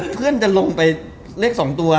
เพื่อนจะลงไปเล็กสองตัว